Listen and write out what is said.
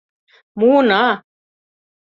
Муына!..